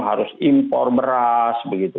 harus impor beras begitu